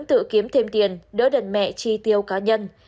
tự kiếm thêm tiền đỡ đần mẹ chi tiêu cá nhân